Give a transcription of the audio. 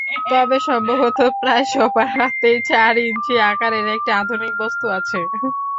তবে সম্ভবত প্রায় সবার হাতেই চার ইঞ্চি আকারের একটি আধুনিক বস্তু আছে।